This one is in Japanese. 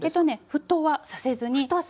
沸騰はさせずに。